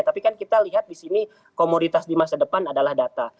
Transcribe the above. tapi kan kita lihat di sini komoditas di masa depan adalah data